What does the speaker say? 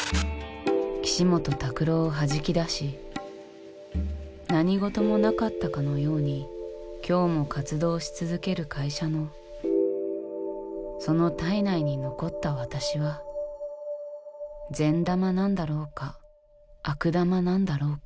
岸本拓朗をはじき出し何事もなかったかのように今日も活動をし続ける会社のその体内に残った私は善玉なんだろうか悪玉なんだろうか。